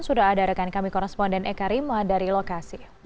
sudah ada rekan kami koresponden eka rima dari lokasi